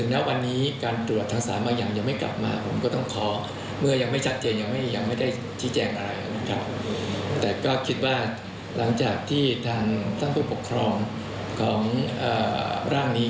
และก็คิดว่าหลังจากที่ทางผู้ปกครองของร่างนี้